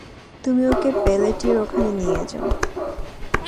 তুমি ওকে পেলেটির ওখানে নিয়ে যাও।